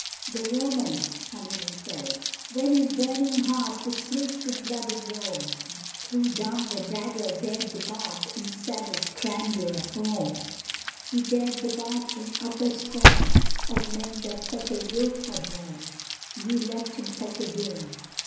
The Roman, when his burning heart Was slaked with blood of Rome, Threw down the dagger dared depart In savage grandeur, home: He dared depart, in utter scorn Of men that such a yoke had borne, Yet left him such a doom!